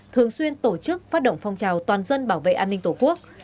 thường xuyên tổ chức phát động phong trào toàn dân bảo vệ an ninh tổ quốc